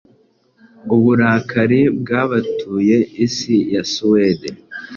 Uburakari bwabatuye isi ya Suwede